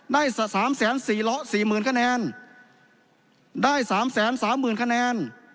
ได้สามแสนสี่เหลาะสี่หมื่นคะแนนได้สามแสนสามหมื่นคะแนน